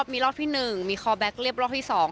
มีรอบที่หนึ่งมีคอแบคเลียบรอบที่สอง